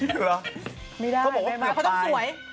จริงหรือไม่ได้เขาบอกว่าเกือบตาย